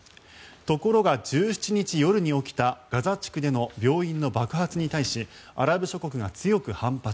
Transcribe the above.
ところが１７日夜に起きたガザ地区での病院の爆発に対しアラブ諸国が強く反発。